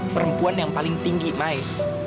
perempuan yang paling tinggi mai